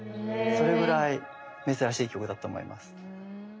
それぐらい珍しい曲だと思います。